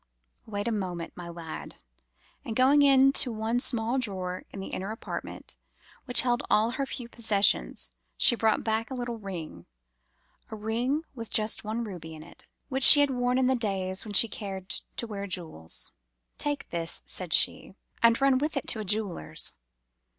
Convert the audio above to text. "'Wait a moment, my lad,' and going to the one small drawer in the inner apartment, which held all her few possessions, she brought back a little ring—a ring just with one ruby in it—which she had worn in the days when she cared to wear jewels. 'Take this,' said she, 'and run with it to a jeweller's.